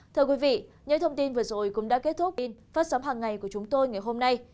thưa quý vị những thông tin vừa rồi cũng đã kết thúc in phát sóng hàng ngày của chúng tôi ngày hôm nay